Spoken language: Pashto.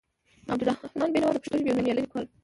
عبدالرؤف بېنوا د پښتو ژبې یو نومیالی لیکوال و.